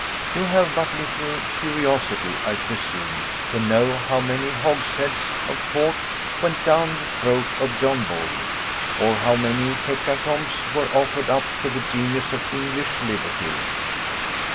You have but little curiosity, I presume, to know how many hogsheads of port went down the throat of John Bull, or how many hecatombs were offered up to the genius of English liberty.